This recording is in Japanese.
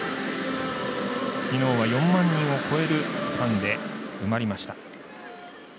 昨日は４万人を超えるファンで埋まりました。